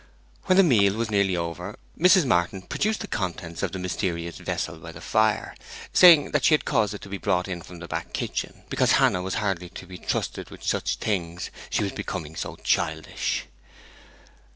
When the meal was nearly over Mrs. Martin produced the contents of the mysterious vessel by the fire, saying that she had caused it to be brought in from the back kitchen, because Hannah was hardly to be trusted with such things, she was becoming so childish.